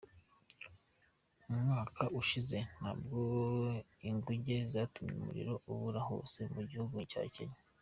Umwaka ushize, nabwo inguge yatumye umuriro ubura hose mu gihugu cya Kenya.